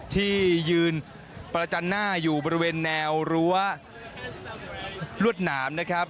ที่ยืนประจันหน้าอยู่บริเวณแนวรั้วลวดหนามนะครับ